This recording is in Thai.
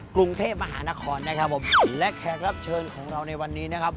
กรุงเทพมหานครนะครับผมและแขกรับเชิญของเราในวันนี้นะครับ